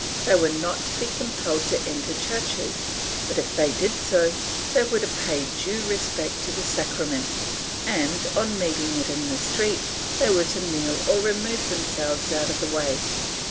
They were not to be compelled to enter churches but, if they did so, they were to pay due respect to the Sacrament and, on meeting it in the street, they were to kneel or remove themselves out of the way.